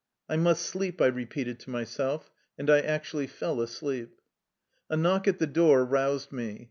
" I must sleep," I repeated to myself, and I actually fell asleep. A knock at the door roused me.